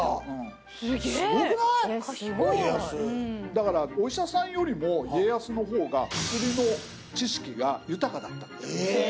だからお医者さんよりも家康の方が薬の知識が豊かだった。